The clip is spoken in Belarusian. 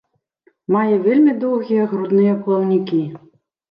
Мае вельмі доўгія грудныя плаўнікі.